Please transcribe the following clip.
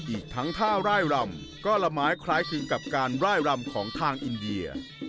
อีกทั้งท่าร่ายรำก็ละไม้คล้ายคลึงกับการร่ายรำของทางอินเดีย